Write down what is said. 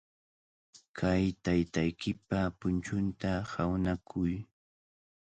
Kay taytaykipa punchunta hawnakuy.